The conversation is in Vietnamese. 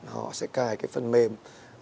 họ sẽ cài cái phần mềm